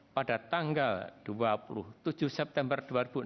pada tanggal dua puluh tujuh september dua ribu enam belas